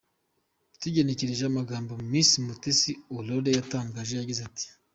Tugenekereje amagambo Miss Mutesi Aurore yatangaje, yagize ati: .